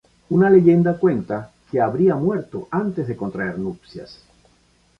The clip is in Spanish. Una leyenda cuenta que habría muerto antes de contraer nupcias.